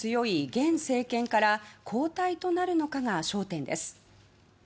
現政権から交代となるのかが焦点です。